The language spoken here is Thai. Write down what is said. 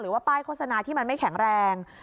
ว่าป้ายโฆษณาที่มันไม่แข็งแรง